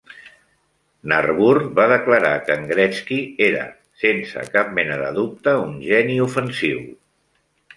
N'Arbour va declarar que en Gretzky era, sense cap mena de dubte, un geni ofensiu.